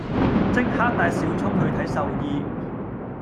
即刻帶小聰去睇獸醫